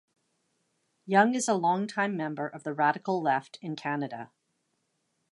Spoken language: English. Young is a longtime member of the radical left in Canada.